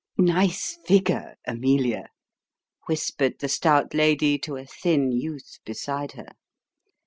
"Nice figure, Amelia," whispered the stout lady to a thin youth beside her.